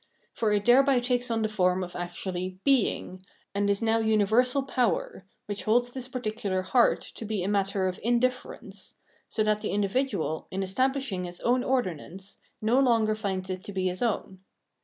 For it thereby takes on the form of actually " being/' and is now uni versal power, which holds this particular " heart " to be a matter of iadiiierence ; so that the individual, in estab lishing his own ordinance, no longer finds it to be his own.